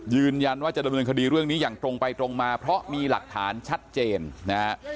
ยืนยันว่าจะดำเนินคดีเรื่องนี้อย่างตรงไปตรงมาเพราะมีหลักฐานชัดเจนนะฮะ